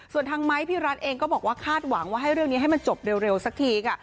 ส่วนทางไมค์พี่รัฐเองก็บอกว่าคาดหวังว่าให้เรื่องนี้ให้มันจบเร็วสักทีค่ะ